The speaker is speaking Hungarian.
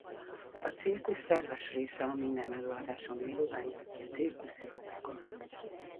A cirkusz szerves része a minden előadáson élőben játszó cirkuszi zenekar.